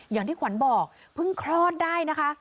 อย่างที่ขวัญบอกเพิ่งคลอดได้นะคะ